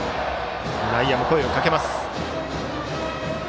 内野も声をかけます。